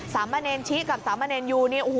สามเมอร์เนนชิ๊กกับสามเมอร์เนนยูนี่